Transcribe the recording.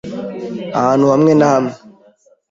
ahantu hamwe na hamwe